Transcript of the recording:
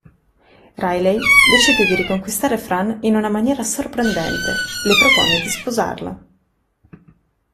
Riley decide di riconquistare Fran in una maniera sorprendente; le propone di sposarlo!